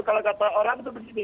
kalau kata orang itu begini